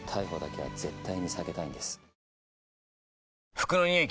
服のニオイ